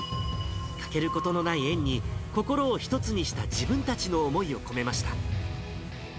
欠けることのない円に、心を一つにした自分たちの思いを込めました。